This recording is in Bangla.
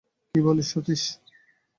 কী বলিস সতীশ?